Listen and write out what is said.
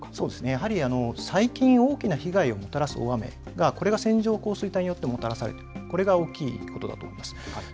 やはり最近大きな被害をもたらす大雨、これが線状降水帯によってもたらされている、これが大きいことだと思います。